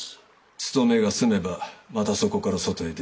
つとめが済めばまたそこから外へ出る。